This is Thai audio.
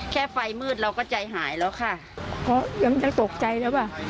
แค่ไฟมืดเราก็ใจหายแล้วค่ะเพราะยังตกใจแล้วป่ะ